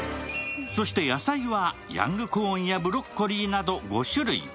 野菜は、ヤングコーンやブロッコリーなど５種類。